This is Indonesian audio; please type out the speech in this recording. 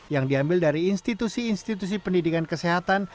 yang diambil dari institusi institusi pendidikan kesehatan